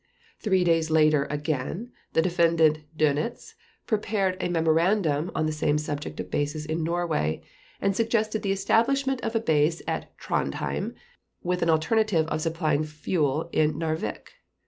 Three days later again, the Defendant Dönitz prepared a memorandum on the same subject of bases in Norway, and suggested the establishment of a base in Trondheim with an alternative of supplying fuel in Narvik.